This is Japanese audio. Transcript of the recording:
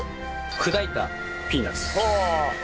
砕いたピーナツ。